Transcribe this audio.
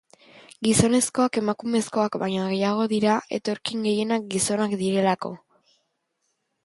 Gizonezkoak emakumezkoak baino gehiago dira, etorkin gehienak gizonak direlako.